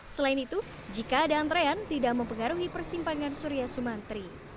selain itu jika ada antrean tidak mempengaruhi persimpangan surya sumantri